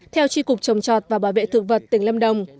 theo tri cục trồng chọt và bảo vệ thực vật tỉnh lâm đồng